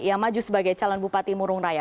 ia maju sebagai calon bupati murung raya